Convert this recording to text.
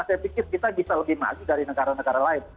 saya pikir kita bisa lebih maju dari negara negara lain